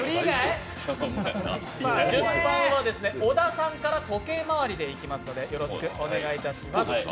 順番は小田さんから時計回りでいきますのでよろしくお願いします。